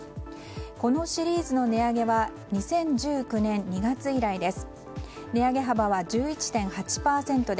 このシリーズの値上げは２０１９年２月以来です。